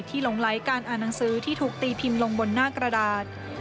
หลงไหลการอ่านหนังสือที่ถูกตีพิมพ์ลงบนหน้ากระดาษ